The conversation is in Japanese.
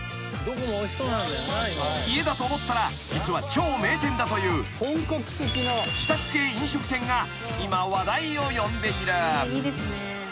［家だと思ったら実は超名店だという自宅系飲食店が今話題を呼んでいる］